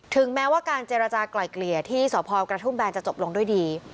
แม้ว่าการเจรจากลายเกลี่ยที่สพกระทุ่มแบนจะจบลงด้วยดี